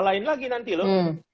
kita akan kembalikan lagi nanti loh